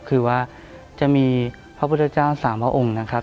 คือว่าจะมีพระพุทธเจ้าสามพระองค์นะครับ